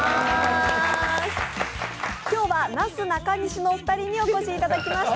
今日はなすなかにしのお二人にお越しいただきました。